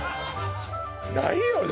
ないよね